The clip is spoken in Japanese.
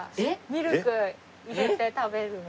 ミルク入れて食べるの。